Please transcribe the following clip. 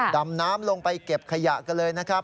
ดำน้ำลงไปเก็บขยะกันเลยนะครับ